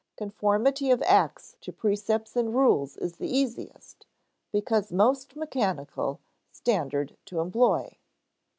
Conformity of acts to precepts and rules is the easiest, because most mechanical, standard to employ.